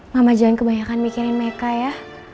mama jangan kebanyakan mikirin mereka ya